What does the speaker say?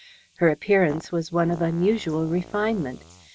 Her appearance was one of unusual refinement.